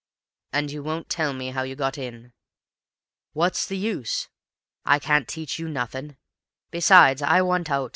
"And you won't tell me how you got in?" "Wot's the use? I can't teach YOU nothin'. Besides, I want out.